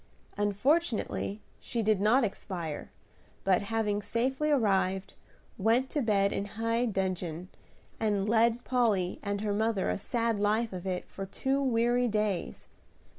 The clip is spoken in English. Unfortunately she did not expire, but, having safely arrived, went to bed in high dudgeon, and led Polly and her mother a sad life of it for two weary days.